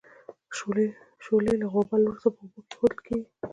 شولې له غوبل وروسته په اوبو کې اېښودل کیږي.